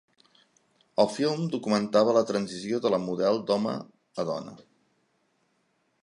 El film documentava la transició de la model d'home a dona.